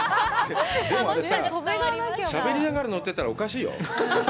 でも、あれさ、しゃべりながら乗ってたら、おかしいよ。